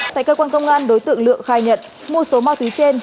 tại cơ quan công an đối tượng lượng khai nhận mua số ma túy trên